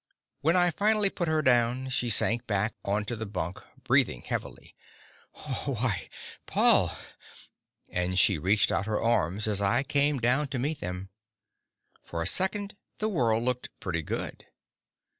When I finally put her down she sank back onto the bunk, breathing heavily. "Why, Paul!" And she reached out her arms as I came down to meet them. For a second, the world looked pretty good.